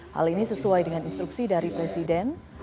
hal ini sesuai dengan instruksi dari presiden